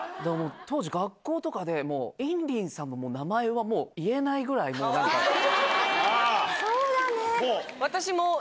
当時、学校とかで、もう、インリンさんの名前はもう、言えないぐらいもかわいい。